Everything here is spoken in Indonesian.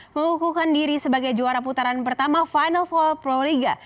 mengukuhkan diri sebagai juara putaran pertama final fall proliga